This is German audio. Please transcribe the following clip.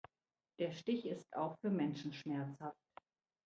Der Stich ist auch für Menschen schmerzhaft.